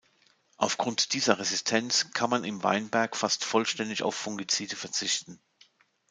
Aufgrund dieser Resistenz kann man im Weinberg fast vollständig auf Fungizide verzichten.